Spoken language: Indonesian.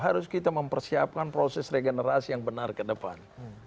harus kita mempersiapkan proses regenerasi yang benar ke depan